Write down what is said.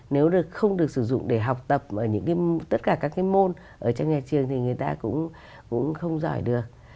nếu không được sử dụng để học tập ở tất cả các cái môn ở trong nhà trường thì người ta cũng không giỏi được